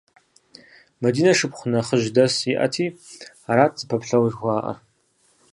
Мадинэ шыпхъу нэхъыжь дэс иӏэти арат зыпэплъэу жыхуаӏэр.